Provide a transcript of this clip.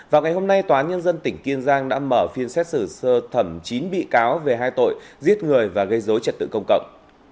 vào ngày hôm nay tòa nhân dân tỉnh kiên giang đã mở phiên xét xử sơ thẩm chín bị cáo về hai tội giết người và gây dối trật tự công cộng